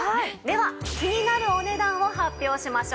では気になるお値段を発表しましょう。